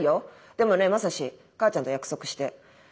でもねまさし母ちゃんと約束して。